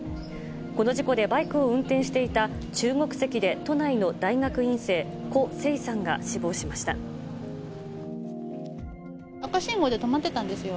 この事故で、バイクを運転していた中国籍で都内の大学院生、赤信号で止まってたんですよ。